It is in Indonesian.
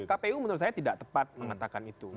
kpu menurut saya tidak tepat mengatakan itu